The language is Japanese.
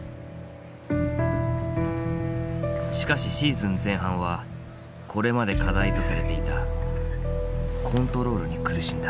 しかしシーズン前半はこれまで課題とされていたコントロールに苦しんだ。